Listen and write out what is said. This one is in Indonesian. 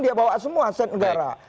dia bawa semua aset negara